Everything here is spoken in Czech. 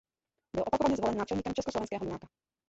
Byl opakovaně zvolen náčelníkem československého Junáka.